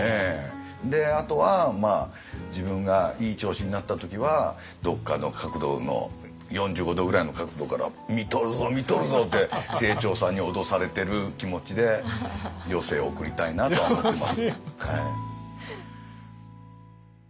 であとは自分がいい調子になった時はどっかの角度の４５度ぐらいの角度から「見とるぞ見とるぞ！」って清張さんに脅されてる気持ちで余生を送りたいなと思ってます。